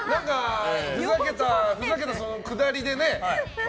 ふざけたくだりで笑